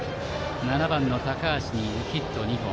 ７番の高橋にヒット２本。